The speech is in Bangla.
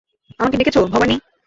আমাকে ডেকেছ, ভবানী?